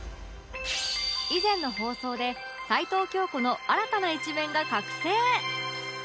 以前の放送で齊藤京子の新たな一面が覚醒！